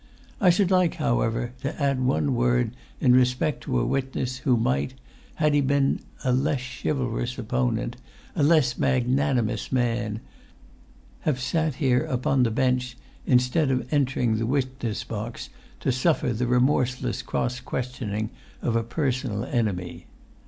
I should like, however, to add one word in respect to a witness, who might, had he been a less chiv al rous opponent—a less mag nan i mous man—have sat here upon the bench instead of entering the witness box to suffer the remorseless cross questioning of a personal enemy.